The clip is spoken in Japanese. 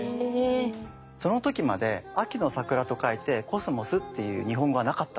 その時まで秋の桜と書いてコスモスっていう日本語はなかったんです。